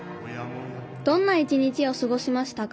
どんな一日をすごしましたか？